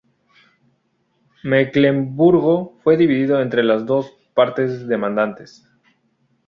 Mecklemburgo fue dividido entre las dos parte demandantes.